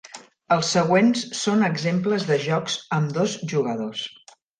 Els següents són exemples de jocs amb dos jugadors.